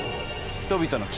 人々の。